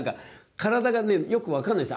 体がね、よく分かんないんです。